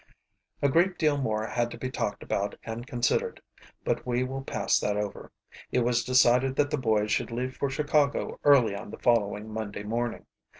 A great deal more had to be talked about and considered, but we will pass that over. It was decided that the boys should leave for Chicago early on the following Monday morning.